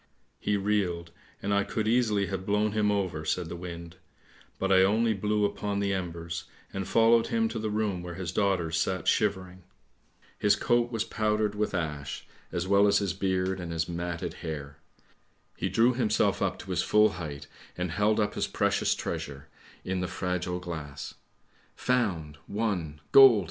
' He reeled, and I could easily have blown him over," said the wind, " but I only blew upon the embers, and followed him to the room where his daughters sat shivering. His coat was powdered with ash, as well as his beard and his matted hair. He drew himself up to his full height and held up his precious treasure, in the 1 82 ANDERSEN'S FAIRY TALES fragile glass :' Found ! won ! gold